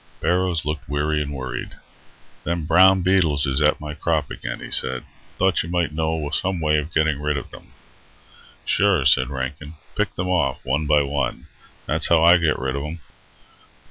Barrows looked weary and worried. "Them brown beetles is at my crop again," he said. "Thought you might know some way of getting rid of them." "Sure," said Rankin. "Pick them off, one by one. That's how I get rid of them."